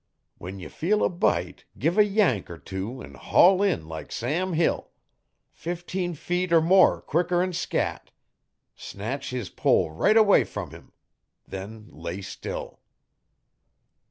When ye feel a bite give a yank er two an' haul in like Sam Hill fifteen feet er more quicker'n scat. Snatch his pole right away from him. Then lay still.'